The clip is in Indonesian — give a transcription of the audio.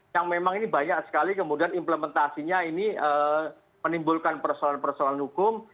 yang memang ini banyak sekali kemudian implementasinya ini menimbulkan persoalan persoalan hukum